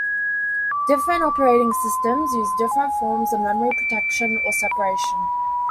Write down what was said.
Different operating systems use different forms of memory protection or separation.